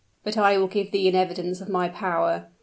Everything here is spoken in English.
"But I will give thee an evidence of my power.